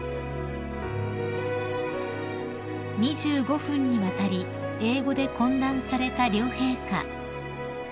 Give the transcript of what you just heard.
［２５分にわたり英語で懇談された両陛下］